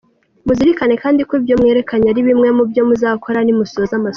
Muzirikane kandi ko ibyo mwerekanye ari bimwe mu byo muzakora nimusoza amasomo.